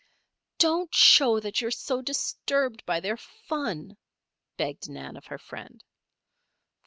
"Don't show that you are so disturbed by their fun," begged Nan of her friend.